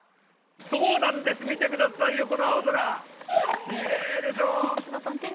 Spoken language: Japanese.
そうなんです、見てくださいよ、この青空、きれいでしょ？